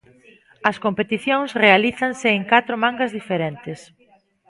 As competicións realízanse en catro mangas diferentes.